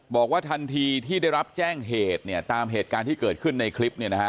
บอกว่าทันทีที่ได้รับแจ้งเหตุเนี่ยตามเหตุการณ์ที่เกิดขึ้นในคลิปเนี่ยนะฮะ